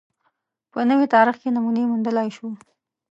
په نوي تاریخ کې نمونې موندلای شو